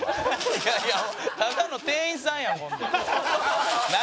いやいやただの店員さんやんこんなん。